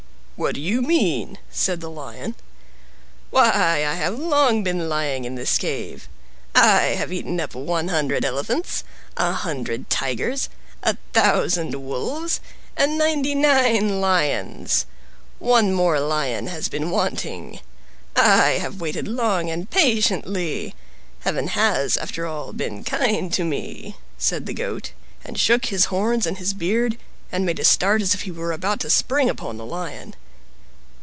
"What do you mean?" said the Lion. "Why, I have long been lying in this cave. I have eaten up one hundred elephants, a hundred tigers, a thousand wolves, and ninety nine lions. One more lion has been wanting. I have waited long and patiently. Heaven has, after all, been kind to me," said the Goat, and shook his horns and his beard, and made a start as if he were about to spring upon the Lion.